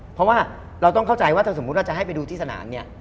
เพราะว่าเราต้องเข้าใจว่าถ้าสมมุติว่าจะให้ไปดูที่สนามเนี่ย